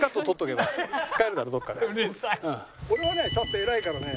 俺はねちゃんと偉いからね